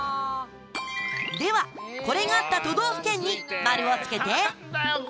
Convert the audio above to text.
では、これがあった都道府県に丸をつけて。